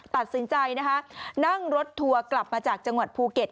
ตัดสินใจนะคะนั่งรถทัวร์กลับมาจากจังหวัดภูเก็ต